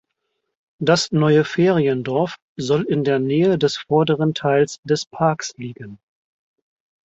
Das neue Feriendorf soll in der Nähe des vorderen Teils des Parks liegen.